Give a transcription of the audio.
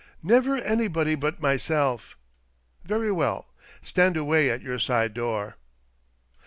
" Never anybody but myself." *' Very well. Stand away at your side door."